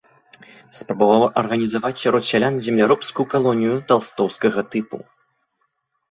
Спрабаваў арганізаваць сярод сялян земляробскую калонію талстоўскага тыпу.